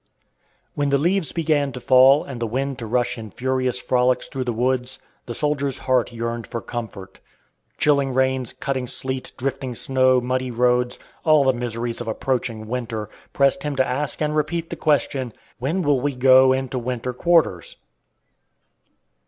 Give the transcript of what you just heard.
When the leaves began to fall and the wind to rush in furious frolics through the woods, the soldier's heart yearned for comfort. Chilling rains, cutting sleet, drifting snow, muddy roads, all the miseries of approaching winter, pressed him to ask and repeat the question, "When will we go into winter quarters?"